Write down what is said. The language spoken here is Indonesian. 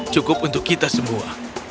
cukup untuk kita semua